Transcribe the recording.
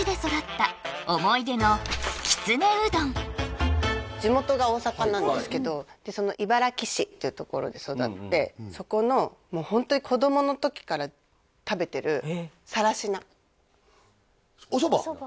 まずは地元が大阪なんですけど茨木市っていうところで育ってそこのもうホントに子供の時から食べてる更科おそば？